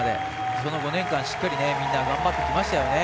その５年間しっかりみんな、頑張ってきましたよね。